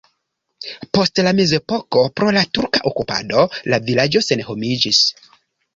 Post la mezepoko pro la turka okupado la vilaĝo senhomiĝis.